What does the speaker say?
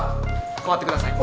代わってください。